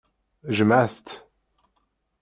Jemɛet-t.